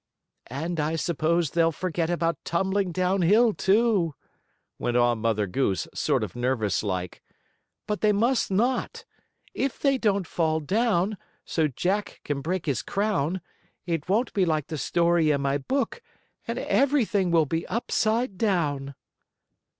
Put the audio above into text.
"And I suppose they'll forget about tumbling down hill, too," went on Mother Goose, sort of nervous like. "But they must not. If they don't fall down, so Jack can break his crown, it won't be like the story in my book, and everything will be upside down."